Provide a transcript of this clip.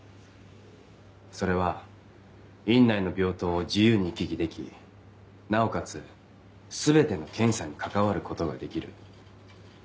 それは院内の病棟を自由に行き来できなおかつ全ての検査に関わることができる。